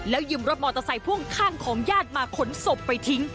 ยืมรถมอเตอร์ไซค์พ่วงข้างของญาติมาขนศพไปทิ้ง